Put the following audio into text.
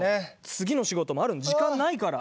次の仕事もあるのに時間ないから。